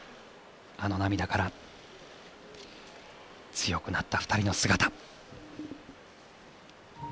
あの涙から、強くなった２人の姿。